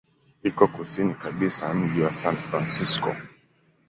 Iko kusini kabisa ya mji wa San Francisco.